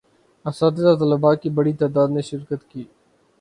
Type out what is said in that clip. اساتذہ و طلباء کی بڑی تعداد نے شرکت کی